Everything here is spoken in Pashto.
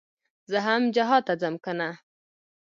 زه هم جهاد ته ځم کنه.